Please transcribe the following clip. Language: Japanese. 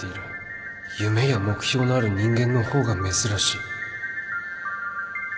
夢や目標のある人間の方が珍しい